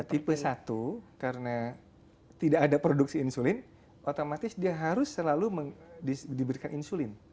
tipe satu karena tidak ada produksi insulin otomatis dia harus selalu diberikan insulin